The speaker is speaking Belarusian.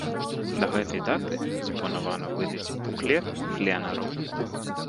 Да гэтай даты запланавана выдаць буклет пленэру.